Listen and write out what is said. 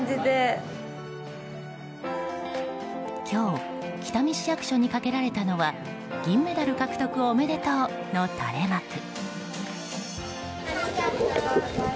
今日、北見市役所にかけられたのは銀メダル獲得おめでとうの垂れ幕。